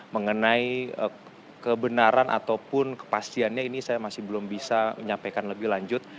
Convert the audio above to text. mengenai kebenaran ataupun kepastiannya ini saya masih belum bisa menyampaikan lebih lanjut